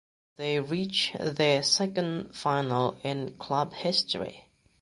They reached their second final in club history.